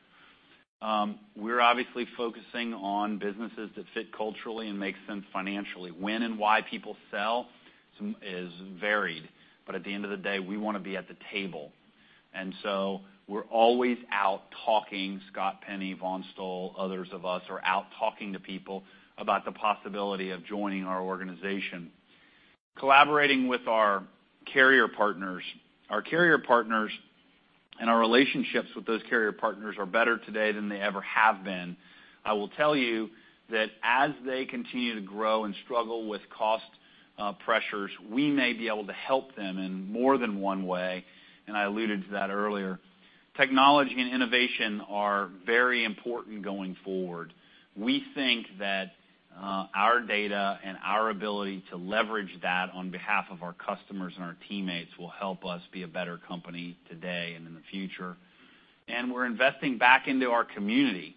We're obviously focusing on businesses that fit culturally and make sense financially. When and why people sell is varied, but at the end of the day, we want to be at the table. We're always out talking, Scott Penny, Vaughn Stoll, others of us are out talking to people about the possibility of joining our organization. Collaborating with our carrier partners. Our carrier partners and our relationships with those carrier partners are better today than they ever have been. I will tell you that as they continue to grow and struggle with cost pressures, we may be able to help them in more than one way. I alluded to that earlier. Technology and innovation are very important going forward. We think that our data and our ability to leverage that on behalf of our customers and our teammates will help us be a better company today and in the future. We're investing back into our community.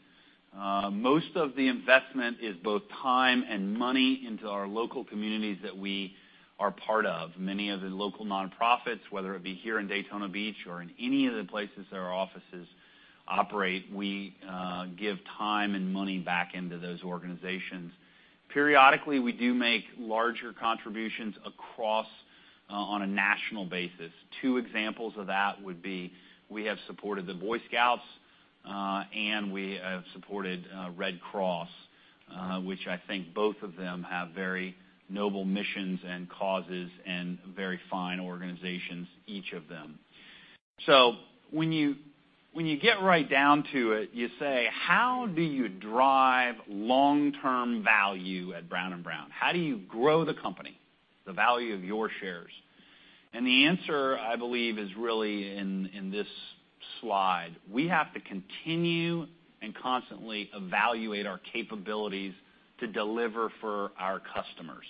Most of the investment is both time and money into our local communities that we are part of. Many of the local nonprofits, whether it be here in Daytona Beach or in any of the places that our offices operate, we give time and money back into those organizations. Periodically, we do make larger contributions across on a national basis. 2 examples of that would be we have supported the Boy Scouts, and we have supported Red Cross, which I think both of them have very noble missions and causes and very fine organizations, each of them. When you get right down to it, you say, how do you drive long-term value at Brown & Brown? How do you grow the company, the value of your shares? The answer, I believe, is really in this slide. We have to continue and constantly evaluate our capabilities to deliver for our customers.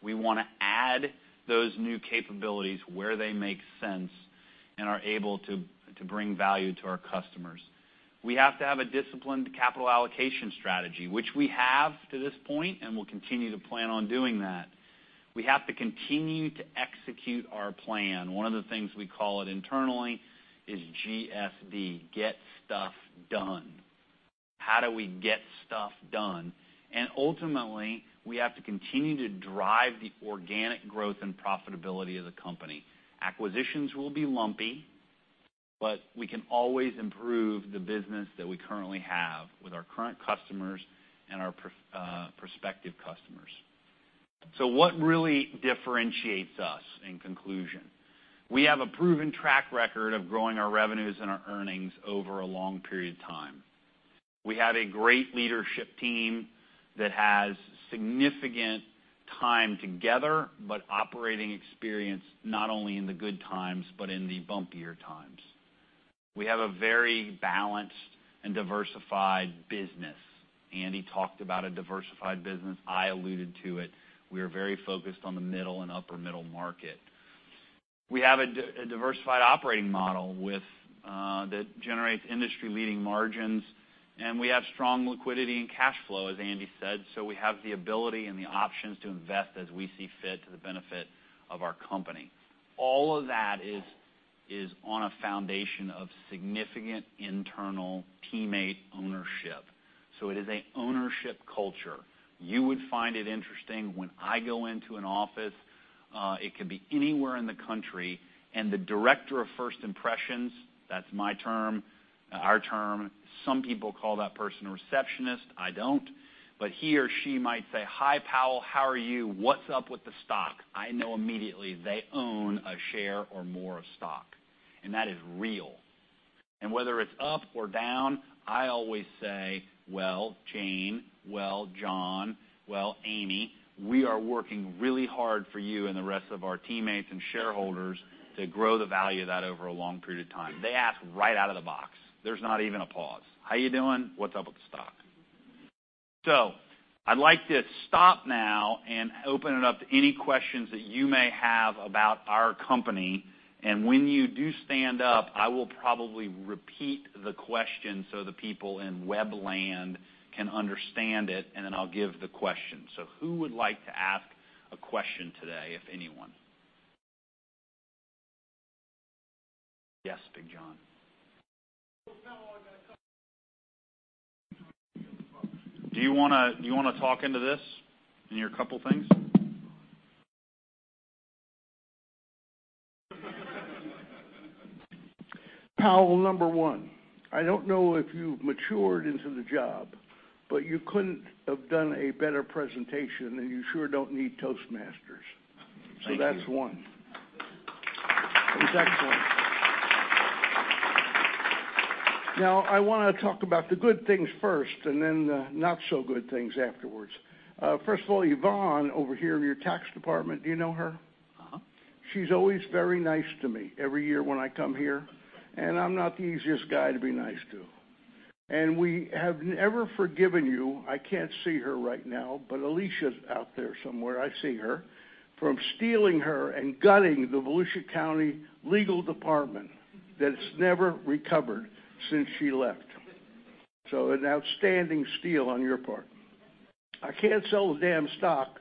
We want to add those new capabilities where they make sense and are able to bring value to our customers. We have to have a disciplined capital allocation strategy, which we have to this point, and we'll continue to plan on doing that. We have to continue to execute our plan. One of the things we call it internally is GSD, get stuff done. How do we get stuff done? Ultimately, we have to continue to drive the organic growth and profitability of the company. Acquisitions will be lumpy, but we can always improve the business that we currently have with our current customers and our prospective customers. What really differentiates us, in conclusion? We have a proven track record of growing our revenues and our earnings over a long period of time. We have a great leadership team that has significant time together, but operating experience, not only in the good times, but in the bumpier times. We have a very balanced and diversified business. Andy talked about a diversified business. I alluded to it. We are very focused on the middle and upper middle market. We have a diversified operating model that generates industry-leading margins, and we have strong liquidity and cash flow, as Andy said. We have the ability and the options to invest as we see fit to the benefit of our company. All of that is on a foundation of significant internal teammate ownership. It is an ownership culture. You would find it interesting when I go into an office, it could be anywhere in the country, and the director of first impressions, that's my term, our term. Some people call that person a receptionist. I don't. He or she might say, "Hi, Powell. How are you? What's up with the stock?" I know immediately they own a share or more of stock. That is real. Whether it's up or down, I always say, "Well, Jane," "Well, John," "Well, Amy, we are working really hard for you and the rest of our teammates and shareholders to grow the value of that over a long period of time." They ask right out of the box. There's not even a pause. "How are you doing? What's up with the stock?" I'd like to stop now and open it up to any questions that you may have about our company. When you do stand up, I will probably repeat the question so the people in web land can understand it, and then I'll give the question. Who would like to ask a question today, if anyone? Yes, Big John. Well, now I'm going to talk Do you want to talk into this and your couple things? Powell, number 1, I don't know if you've matured into the job, but you couldn't have done a better presentation, and you sure don't need Toastmasters. Thank you. That's one. I want to talk about the good things first and then the not so good things afterwards. First of all, Yvonne over here in your tax department, do you know her? She's always very nice to me every year when I come here, and I'm not the easiest guy to be nice to. We have never forgiven you, I can't see her right now, but Alicia's out there somewhere. I see her. From stealing her and gutting the Volusia County legal department, that's never recovered since she left. An outstanding steal on your part. I can't sell the damn stock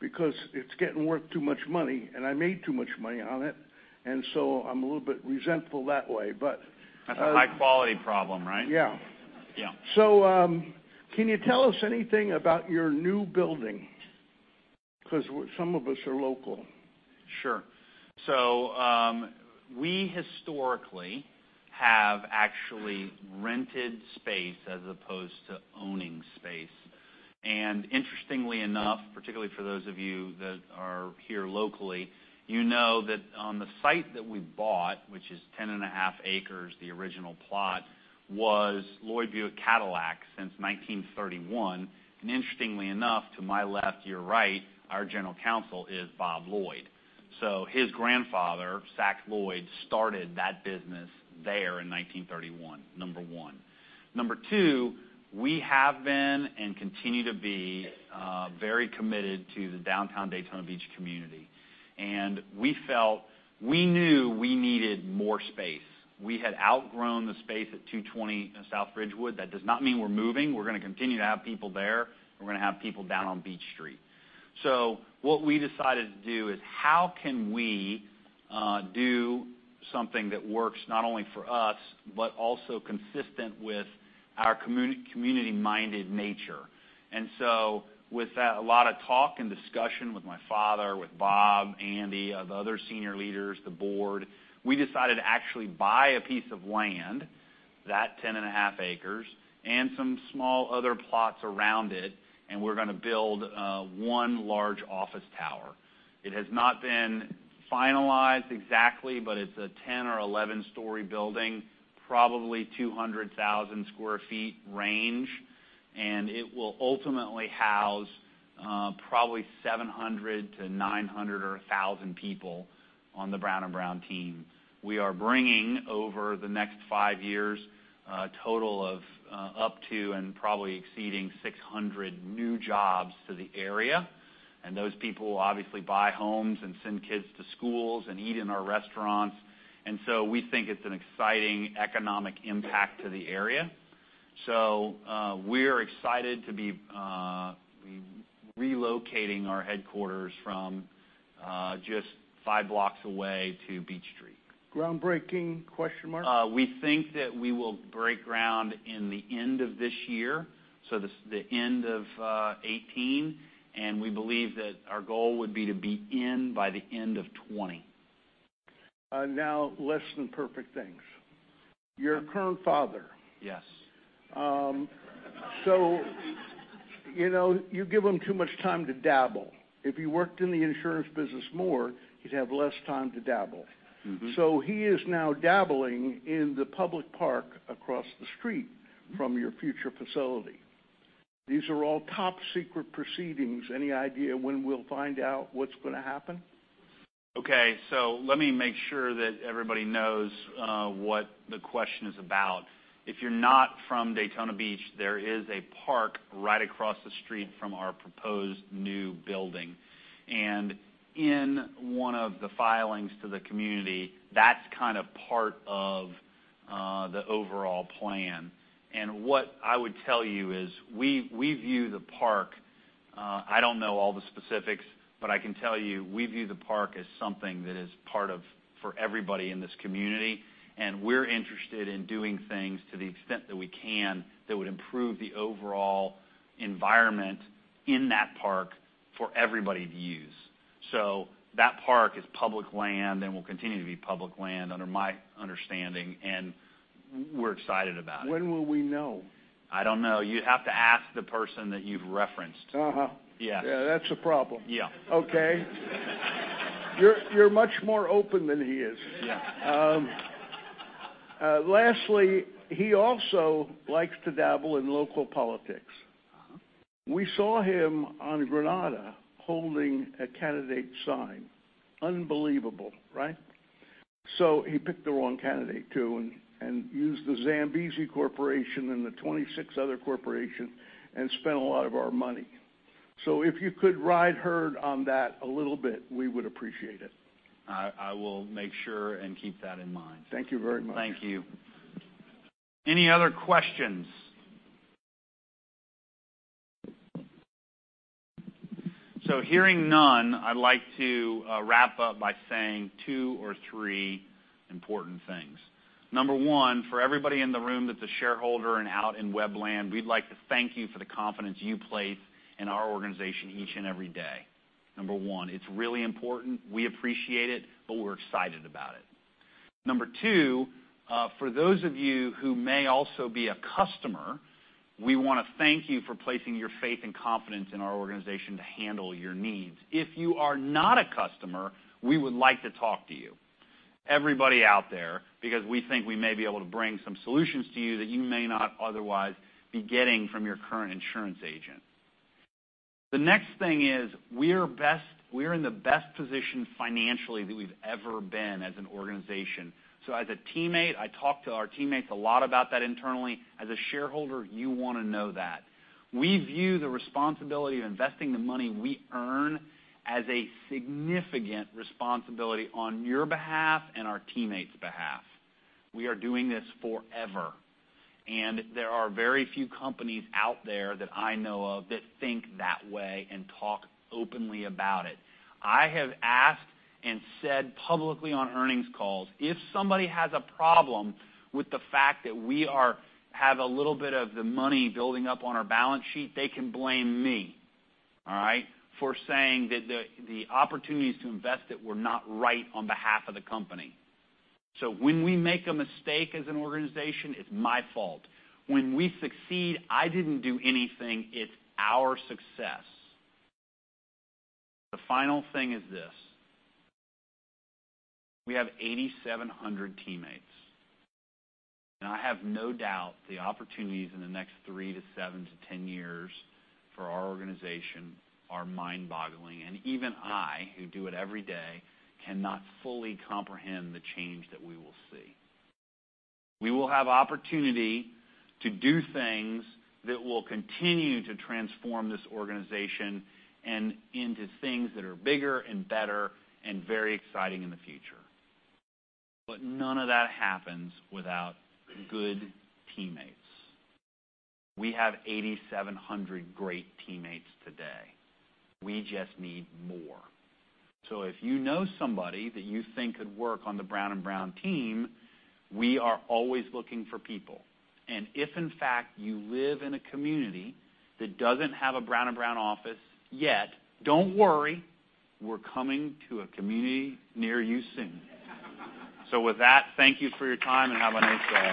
because it's getting worth too much money, and I made too much money on it, and so I'm a little bit resentful that way, but. That's a high-quality problem, right? Yeah. Yeah. Can you tell us anything about your new building? Because some of us are local. Sure. We historically have actually rented space as opposed to owning space. Interestingly enough, particularly for those of you that are here locally, you know that on the site that we bought, which is 10.5 acres, the original plot, was Lloyd Buick Cadillac since 1931. Interestingly enough, to my left, your right, our general counsel is Bob Lloyd. His grandfather, Sack Lloyd, started that business there in 1931, number one. Number two, we have been and continue to be very committed to the downtown Daytona Beach community. We felt we knew we needed more space. We had outgrown the space at 220 South Ridgewood. That does not mean we're moving. We're going to continue to have people there. We're going to have people down on Beach Street. What we decided to do is how can we do something that works not only for us, but also consistent with our community-minded nature. With a lot of talk and discussion with my father, with Bob, Andy, the other senior leaders, the board, we decided to actually buy a piece of land, that 10.5 acres, and some small other plots around it, and we're going to build one large office tower. It has not been finalized exactly, but it's a 10- or 11-story building, probably 200,000 sq ft range. It will ultimately house probably 700 to 900 or 1,000 people on the Brown & Brown team. We are bringing, over the next five years, a total of up to and probably exceeding 600 new jobs to the area, and those people will obviously buy homes and send kids to schools and eat in our restaurants. We think it's an exciting economic impact to the area. We are excited to be relocating our headquarters from just five blocks away to Beach Street. Groundbreaking, question mark? We think that we will break ground in the end of this year, so the end of 2018. We believe that our goal would be to be in by the end of 2020. Less than perfect things. You're a current father. Yes. You give him too much time to dabble. If he worked in the insurance business more, he'd have less time to dabble. He is now dabbling in the public park across the street from your future facility. These are all top-secret proceedings. Any idea when we'll find out what's going to happen? Okay, let me make sure that everybody knows what the question is about. If you are not from Daytona Beach, there is a park right across the street from our proposed new building. In one of the filings to the community, that is kind of part of the overall plan. What I would tell you is we view the park, I don't know all the specifics, but I can tell you we view the park as something that is part of, for everybody in this community, and we are interested in doing things to the extent that we can that would improve the overall environment in that park for everybody to use. That park is public land and will continue to be public land under my understanding, and we are excited about it. When will we know? I don't know. You have to ask the person that you have referenced. Yeah. Yeah, that is a problem. Yeah. Okay. You're much more open than he is. Yeah. Lastly, he also likes to dabble in local politics. We saw him on Granada holding a candidate sign. Unbelievable, right. He picked the wrong candidate, too, and used the Zambezi Corporation and the 26 other corporations and spent a lot of our money. If you could ride herd on that a little bit, we would appreciate it. I will make sure and keep that in mind. Thank you very much. Thank you. Any other questions? Hearing none, I'd like to wrap up by saying two or three important things. Number 1, for everybody in the room that's a shareholder and out in webland, we'd like to thank you for the confidence you place in our organization each and every day. Number 1. It's really important, we appreciate it, but we're excited about it. Number 2, for those of you who may also be a customer, we want to thank you for placing your faith and confidence in our organization to handle your needs. If you are not a customer, we would like to talk to you, everybody out there, because we think we may be able to bring some solutions to you that you may not otherwise be getting from your current insurance agent. The next thing is we are in the best position financially that we've ever been as an organization. As a teammate, I talk to our teammates a lot about that internally. As a shareholder, you want to know that. We view the responsibility of investing the money we earn as a significant responsibility on your behalf and our teammates' behalf. We are doing this forever, and there are very few companies out there that I know of that think that way and talk openly about it. I have asked and said publicly on earnings calls, if somebody has a problem with the fact that we have a little bit of the money building up on our balance sheet, they can blame me, all right, for saying that the opportunities to invest it were not right on behalf of the company. When we make a mistake as an organization, it's my fault. When we succeed, I didn't do anything. It's our success. The final thing is this. We have 8,700 teammates, and I have no doubt the opportunities in the next 3 to 7 to 10 years for our organization are mind-boggling. Even I, who do it every day, cannot fully comprehend the change that we will see. We will have opportunity to do things that will continue to transform this organization and into things that are bigger and better and very exciting in the future. None of that happens without good teammates. We have 8,700 great teammates today. We just need more. If you know somebody that you think could work on the Brown & Brown team, we are always looking for people. If, in fact, you live in a community that doesn't have a Brown & Brown office yet, don't worry, we're coming to a community near you soon. With that, thank you for your time, and have a nice day.